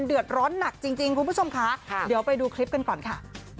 เดือดร้อนหนักจริงคุณผู้ชมค่ะเดี๋ยวไปดูคลิปกันก่อนค่ะ